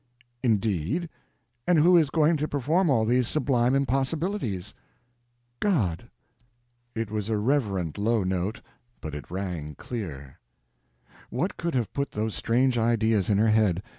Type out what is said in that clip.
"Indeed? and who is going to perform all these sublime impossibilities?" "God." It was a reverent low note, but it rang clear. What could have put those strange ideas in her head?